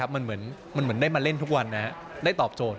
มันเหมือนได้มาเล่นทุกวันได้ตอบโจทย